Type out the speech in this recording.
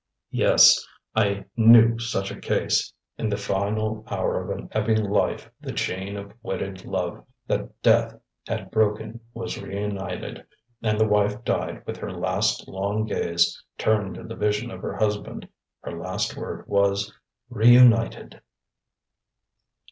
"Yes, I knew such a case. In the final hour of an ebbing life the chain of wedded love that death had broken was reunited, and the wife died with her last long gaze turned to the vision of her husband. Her last word was 'reunited!'"